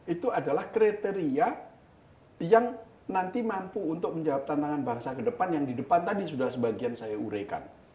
itu adalah kriteria yang nanti mampu untuk menjawab tantangan bangsa ke depan yang di depan tadi sudah sebagian saya urekan